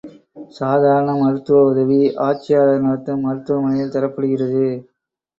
சாதாரண மருத்துவ உதவி ஆட்சியாளர் நடத்தும் மருத்துவமனையில் தரப்படுகிறது.